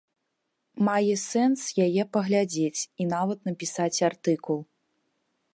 Мае сэнс яе паглядзець, і нават напісаць артыкул.